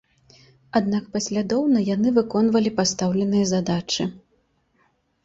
Аднак паслядоўна яны выконвалі пастаўленыя задачы.